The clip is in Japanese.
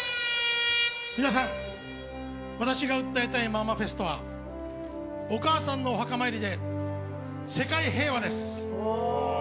皆さん、私が訴えたいママフェストはお母さんのお墓参りで世界平和です。